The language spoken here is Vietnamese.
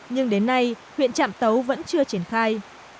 nhưng đến nay huyện trạm tấu vẫn chưa triển khai